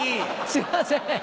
すいません。